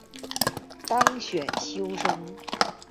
当选修生